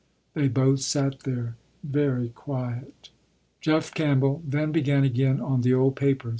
They both sat there very quiet. Jeff Campbell then began again on the old papers.